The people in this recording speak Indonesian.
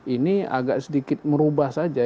ini agak sedikit merubah saja